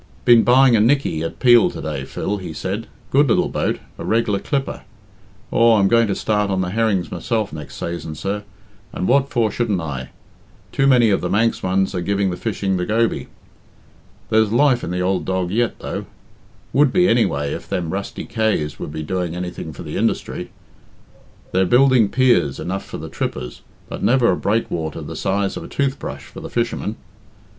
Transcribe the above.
"Been buying a Nickey at Peel to day, Phil," he said; "good little boat a reg'lar clipper. Aw, I'm going to start on the herrings myself next sayson sir, and what for shouldn't I? Too many of the Manx ones are giving the fishing the goby. There's life in the ould dog yet, though. Would be, anyway, if them rusty Kays would be doing anything for the industry. They're building piers enough for the trippers, but never a breakwater the size of a tooth brush for the fishermen.